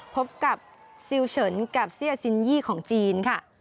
พบกับซิลเฉินกับเซียซินยี่ของจีนค่ะ